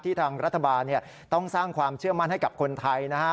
ทางรัฐบาลต้องสร้างความเชื่อมั่นให้กับคนไทยนะฮะ